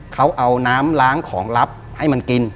เขาเอาน้ำล้างของลับให้มันกิน